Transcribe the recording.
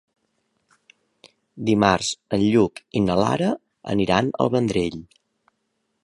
Dimarts en Lluc i na Lara aniran al Vendrell.